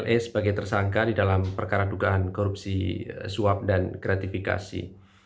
l a sebagai tersangka di dalam perkara dugaan korupsi suap dan kreatifikasi